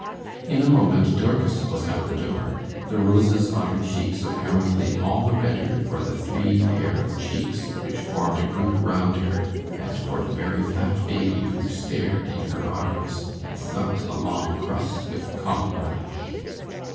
In a moment Dorcas was at the door, the roses on her cheeks apparently all the redder for the three pair of cheeks which formed a group round her, and for the very fat baby who stared in her arms, and sucked a long crust with calm relish.